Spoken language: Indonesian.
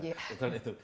itu yang karena itu